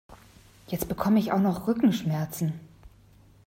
Jetzt bekomme ich auch noch Rückenschmerzen!